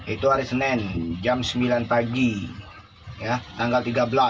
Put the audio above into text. itu hari senin jam sembilan pagi tanggal tiga belas